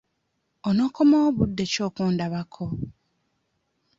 Onookomawo budde ki okundabako?